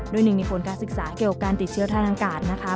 โดยหนึ่งในผลการศึกษาเกี่ยวกับการติดเชื้อทางอากาศนะคะ